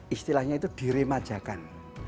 istilahnya itu diremajakan